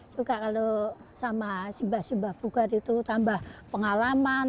suka kalau sama simba bugar itu tambah pengalaman